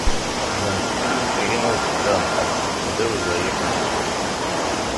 Gen di talwit a gma Buclaɣem Ḥakim, d awezɣi ad k-nettu!